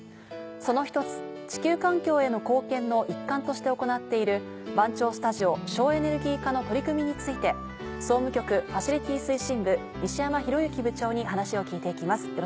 その１つ「地球環境への貢献」の一環として行っている番町スタジオ省エネルギー化の取り組みについて総務局ファシリティ推進部西山裕之部長に話を聞いて行きます。